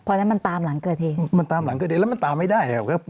เพราะฉะนั้นมันตามหลังเกิดเหตุมันตามหลังเกิดเหตุแล้วมันตามไม่ได้ครับ